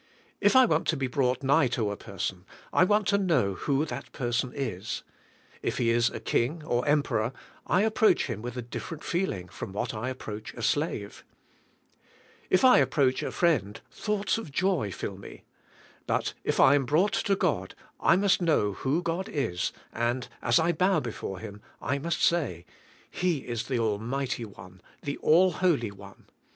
If I want to be brought nigh to a person I want to know who that person is. If he is a king or emperor I ap proach him with a different feeling from what I ap proach a slave. If I approach a friend thoughts of joy fill me. Before I am brought to God I must know who God is, and as I bow before Him, I must say, *'He is the Almighty One, the All Holy One.